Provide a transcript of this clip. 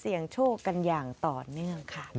เสี่ยงโชคกันอย่างต่อเนื่องค่ะ